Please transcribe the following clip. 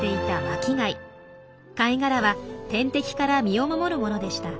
貝殻は天敵から身を守るものでした。